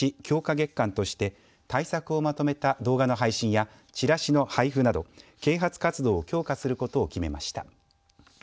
月間として対策をまとめた動画の配信やチラシの配布など啓発活動を強化することを決めました。